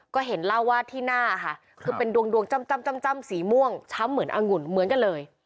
ก็เห็นเล่าว่าที่หน้าค่ะคือเป็นดวงจ้ำสีม่วงช้ำเหมือนองุ่นเหมือนกันเลย